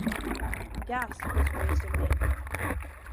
Gass was raised in Maine.